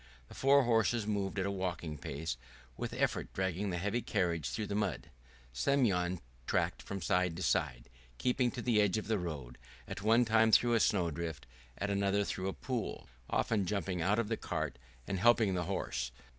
The four horses moved at a walking pace, with effort dragging the heavy carriage through the mud. Semyon tacked from side to side, keeping to the edge of the road, at one time through a snowdrift, at another through a pool, often jumping out of the cart and helping the horse.